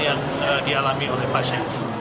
yang dialami oleh pasien